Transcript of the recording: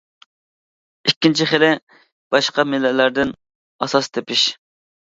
ئىككىنچى خىلى: باشقا مىللەتلەردىن ئاساس تېپىش.